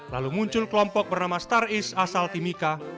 lalu muncul kelompok bernama star east asal timika